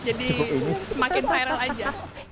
jadi makin viral aja